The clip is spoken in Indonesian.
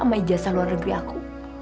sama ijazah luar negeri aku